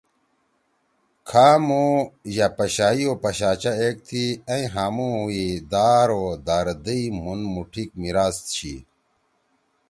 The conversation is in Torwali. کھامُو یأ پشائی او پشاچہ ایک تھی ائں ہامُو ئی دار او درد ئی مُھن مُوٹھیِک میِراث چھی۔